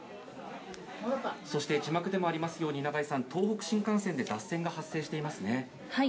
そして、字幕でもありますに東北新幹線で脱線が発生しています。